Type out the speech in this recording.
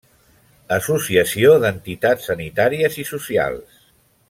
Associació d'Entitats Sanitàries i Socials.